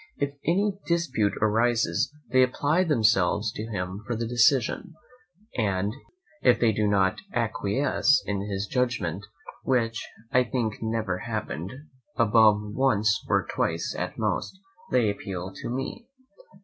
If any dispute arises they apply themselves to him for the decision; if they do not acquiesce in his judgment, which I think never happened above once or twice at most, they appeal to me.